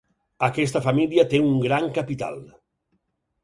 Aquesta família té un gran capital.